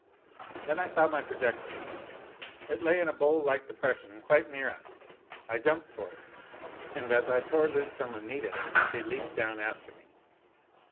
Then I saw my projector. It lay in a bowl like depression quite near us. I jumped for it. And as I tore loose from Anita, she leaped down after me.